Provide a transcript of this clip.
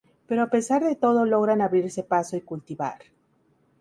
Pero a pesar de todo logran abrirse paso y cultivar.